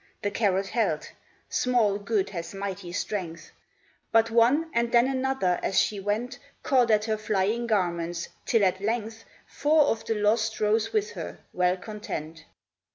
The carrot held small good has mighty strength ; But one, and then another, as she went Caught at her flying garments, till at length Four of the lost rose with her, well content.